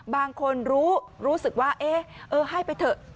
บางคนรู้รู้สึกว่าเอ๊ะให้ไปเถอะ